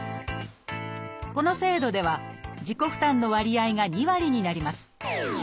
この制度では自己負担の割合が２割になります。